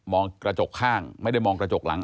กระจกข้างไม่ได้มองกระจกหลัง